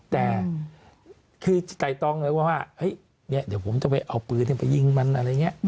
แต่คือไตตองเลยว่าเฮ้ยเนี่ยเดี๋ยวผมจะไปเอาปืนไปยิงมันอะไรอย่างนี้